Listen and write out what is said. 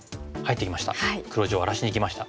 黒地を荒らしにきました。